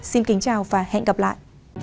xin kính chào và hẹn gặp lại